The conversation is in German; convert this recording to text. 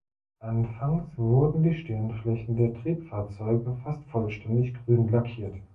Anfangs wurden die Stirnflächen der Triebfahrzeuge fast vollständig grün lackiert.